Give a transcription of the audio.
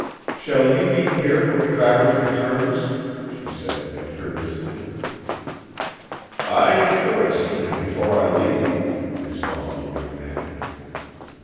"Shall you be here when Travers returns?" she said imperiously. "I am sure to see him before I leave," responded the young man.